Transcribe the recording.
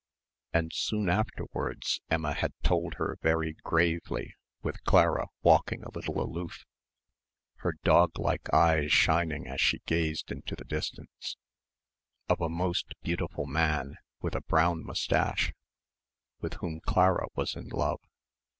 And soon afterwards Emma had told her very gravely, with Clara walking a little aloof, her dog like eyes shining as she gazed into the distance, of a "most beautiful man" with a brown moustache, with whom Clara was in love.